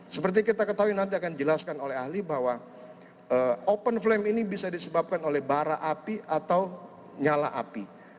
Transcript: seperti kita ketahui nanti akan dijelaskan oleh ahli bahwa open flame ini bisa disebabkan oleh bara api atau nyala api